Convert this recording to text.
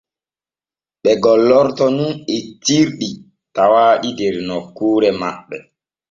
Ɓe gollorto nun etirɗi tawaaɗi der nokkuure maɓɓe.